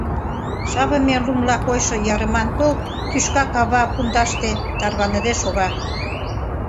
Шавыме лумла койшо ярыман пыл тӱшка кава пундаште тарваныде шога...